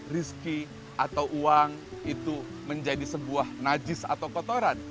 rizki atau uang itu menjadi sebuah najis atau kotoran